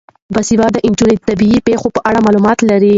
باسواده نجونې د طبیعي پیښو په اړه معلومات لري.